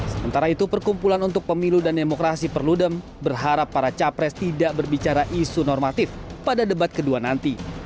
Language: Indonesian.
sementara itu perkumpulan untuk pemilu dan demokrasi perludem berharap para capres tidak berbicara isu normatif pada debat kedua nanti